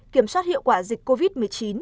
kiểm soát hiệu quả dịch covid một mươi chín